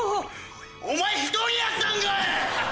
お前１人やったんかい！